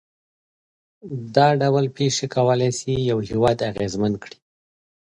دا ډول پېښې کولای شي یوازې یو هېواد اغېزمن کړي.